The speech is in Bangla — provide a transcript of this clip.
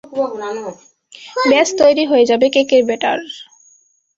ব্যাস তৈরি হয়ে যাবে কেকের বেটার।